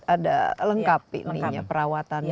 ada lengkap perawatan